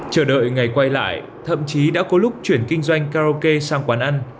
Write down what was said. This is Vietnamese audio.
chờ đợi ngày quay lại thậm chí đã có lúc chuyển kinh doanh karaoke sang quán ăn